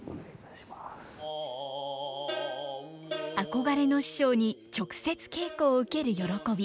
憧れの師匠に直接稽古を受ける喜び。